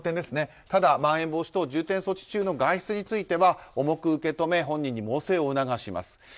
ただ、まん延防止等重点措置中の外出については、重く受け止め本人に猛省を促します。